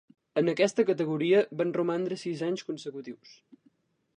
En aquesta categoria va romandre sis anys consecutius.